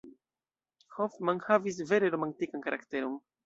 Hoffmann havis vere romantikan karakteron.